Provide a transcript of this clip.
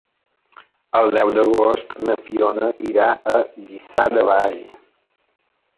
El deu d'agost na Fiona irà a Lliçà de Vall.